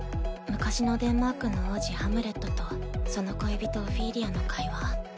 昔のデンマークの王子ハムレットとその恋人オフィーリアの会話。